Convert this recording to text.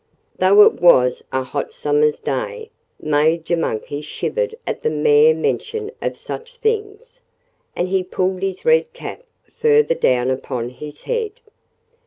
Though it was a hot summer's day, Major Monkey shivered at the mere mention of such things. And he pulled his red cap further down upon his head.